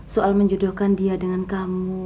soal menjodohkan dia dengan kamu